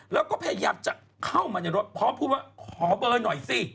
แล้วก็พยายามจะเข้ามาในรถพร้อมพูดว่าขอเบอร์หน่อยสิ